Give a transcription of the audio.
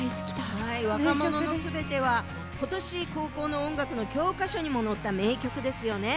「若者のすべて」はことし、高校の教科書にも載った名曲ですよね。